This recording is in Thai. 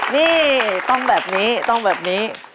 นี่ต้องแบบนี้ต้องแบบนี้